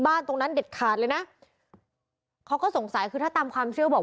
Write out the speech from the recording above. บางคนเชื่อเรื่อง